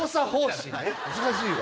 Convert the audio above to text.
難しいわ。